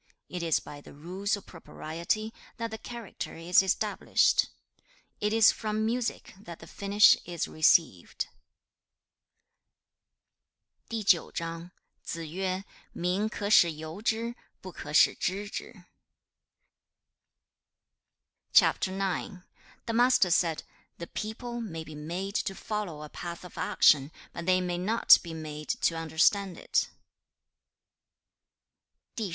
2. 'It is by the Rules of Propriety that the character is established. 3. 'It is from Music that the finish is received.' CHAP. IX. The Master said, 'The people may be made to follow a path of action, but they may not be made to understand it.'